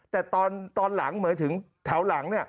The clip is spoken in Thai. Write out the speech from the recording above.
แต่ตอนหลังเหมือนถึงแถวหลังเนี่ย